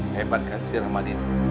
hebat kan si rahmadi tuh